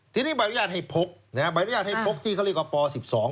ทีนี้ใบอนุญาตให้พกนะฮะใบอนุญาตให้พกที่เขาเรียกว่าป๑๒